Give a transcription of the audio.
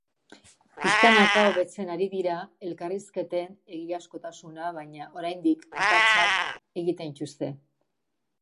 Pixkanaka hobetzen ari dira elkarrizketen egiazkotasuna, baina oraindik akatsak egiten dituzte.